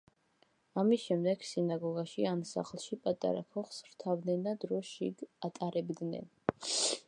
ამის შემდეგ სინაგოგაში ან სახლში პატარა ქოხს რთავდნენ და დროს შიგ ატარებდნენ.